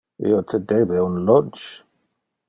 Io te debe un lunch.